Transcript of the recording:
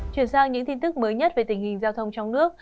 chuyển sang những tin tức mới nhất về tình hình giao thông trong nước